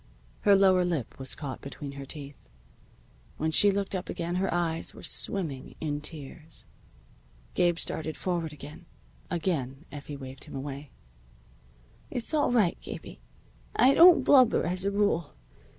Her lower lip was caught between her teeth. When she looked up again her eyes were swimming in tears. Gabe started forward again. Again Effie waved him away. "It's all right, Gabie. I don't blubber as a rule.